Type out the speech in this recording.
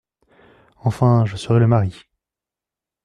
Enfin, je serais le mari !